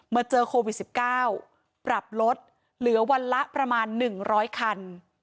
เมื่อเจอโควิด๑๙ปรับลดเหลือวันละประมาณนึงร้อยคัน